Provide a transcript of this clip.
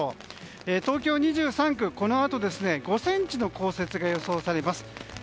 東京２３区、このあと５ｃｍの降雪が予想されます。